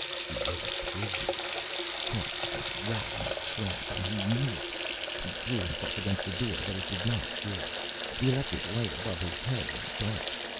He was a prisoner, caught like a rat in a trap, and he knew it! He threw himself against the door, but it did not give. The electric light above his head went dark.